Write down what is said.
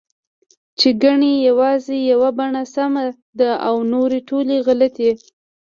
چې ګنې یوازې یوه بڼه سمه ده او نورې ټولې غلطې